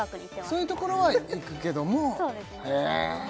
そういうところは行くけどもそうですねえ